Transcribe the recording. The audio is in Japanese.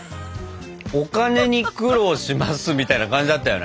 「お金に苦労します」みたいな感じだったよね。